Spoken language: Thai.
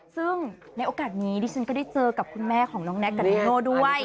ซึ่งในโอกาสนี้ดิฉันก็ได้เจอกับคุณแม่ของน้องแน็กกับนิโน่ด้วย